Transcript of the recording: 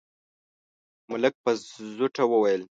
ملک په زوټه وويل: